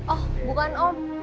oh bukan om